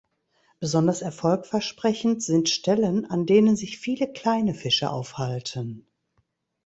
Besonders erfolgversprechend sind Stellen, an denen sich viele kleine Fische aufhalten.